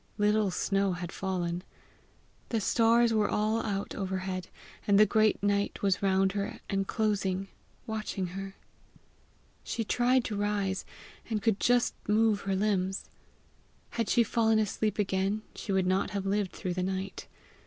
Little snow had fallen. The stars were all out overhead, and the great night was round her, enclosing, watching her. She tried to rise, and could just move her limbs. Had she fallen asleep again, she would not have lived through the night.